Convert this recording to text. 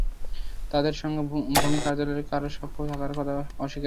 তাঁদের সঙ্গে ভূমি কার্যালয়ের কারও সখ্য থাকার কথা অস্বীকার করেন তিনি।